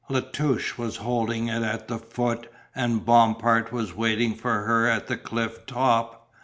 La Touche was holding it at the foot and Bompard was waiting for her at the cliff top.